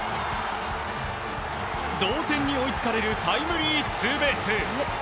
同点に追いつかれるタイムリーツーベース。